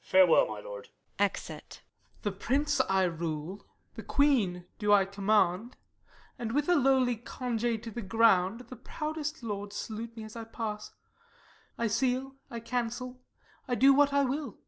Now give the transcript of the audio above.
Farewell, my lord. [Exit. Y. Mor. The prince I rule, the queen do I command, And with a lowly congé to the ground The proudest lords salute me as I pass; I seal, I cancel, I do what I will.